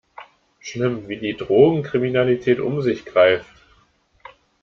Schlimm, wie die Drogenkriminalität um sich greift!